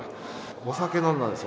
お酒飲んだんです。